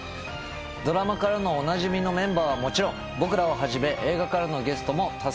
ドラマからのおなじみのメンバーはもちろん僕らをはじめ映画からのゲストも多数参加しています。